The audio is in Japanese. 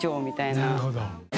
なるほど。